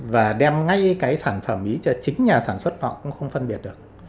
và đem ngay cái sản phẩm ý cho chính nhà sản xuất họ cũng không phân biệt được